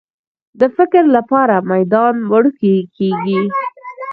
د فکر لپاره میدان وړوکی کېږي.